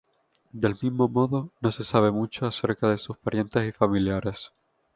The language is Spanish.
Del mismo modo, no se sabe mucho acerca de sus parientes y familiares.